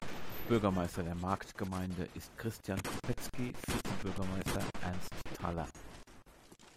Bürgermeister der Marktgemeinde ist Christian Kopetzky, Vizebürgermeister Ernst Thaller.